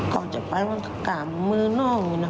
ก่อนจะไปมันกล่ามมือนอกเลยนะ